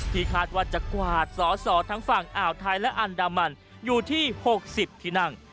คาดว่าจะกวาดสอสอทั้งฝั่งอ่าวไทยและอันดามันอยู่ที่๖๐ที่นั่ง